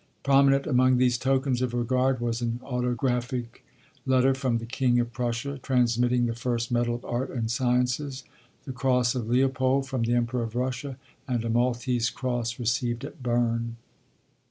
Prominent among these tokens of regard was an autographic letter from the King of Prussia, transmitting the first medal of art and sciences; the Cross of Leopold, from the Emperor of Russia, and a Maltese cross received at Berne.